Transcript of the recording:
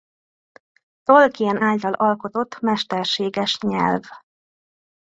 Tolkien által alkotott mesterséges nyelv.